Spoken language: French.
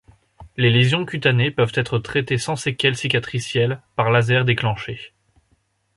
Les lésions cutanées peuvent être traitées sans séquelles cicatricielles par laser déclenché.